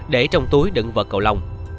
để trong túi đựng vật cầu lông